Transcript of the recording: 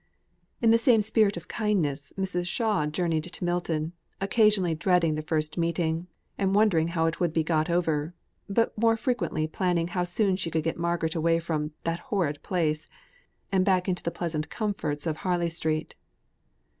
In the same spirit of kindness, Mrs. Shaw journeyed to Milton, occasionally dreading the first meeting, and wondering how it would be got over; but more frequently planning how soon she could get Margaret away from "that horrid place," and back in the pleasant comforts of Harley Street.